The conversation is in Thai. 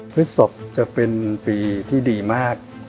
พฤศพจะเป็นปีที่ดีมาก